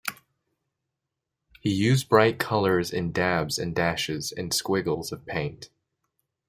He used bright colours in dabs and dashes and squiggles of paint.